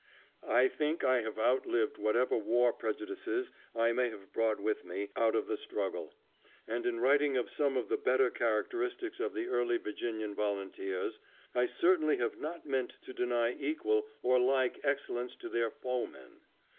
I think I have outlived whatever war prejudices I may have brought with me out of the struggle, and in writing of some of the better characteristics of the early Virginian volunteers, I certainly have not meant to deny equal or like excellence to their foemen.